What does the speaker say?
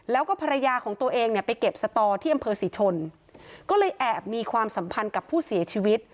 แล้วก็ภรรยาของตัวเองเนี่ยไปเก็บสตอที่อำเภอศรีชนก็เลยแอบมีความสัมพันธ์กับผู้เสียชีวิต